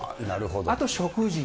あと食事。